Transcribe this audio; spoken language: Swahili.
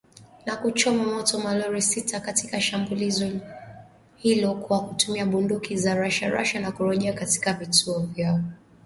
Na kuchoma moto malori sita katika shambulizi hilo kwa kutumia bunduki za rashasha na kurejea katika vituo vyao bila kuumia.